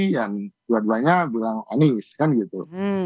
yang dua duanya bilang anis kan gitu